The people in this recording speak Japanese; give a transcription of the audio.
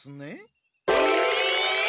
え！？